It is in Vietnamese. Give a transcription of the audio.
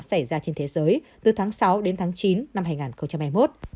xảy ra trên thế giới từ tháng sáu đến tháng chín năm hai nghìn hai mươi một